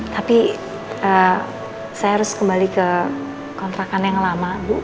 tapi saya harus kembali ke kontrakan yang lama